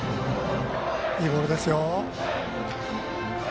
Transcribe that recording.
いいボールですよ。